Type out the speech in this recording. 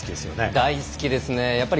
大好きですね。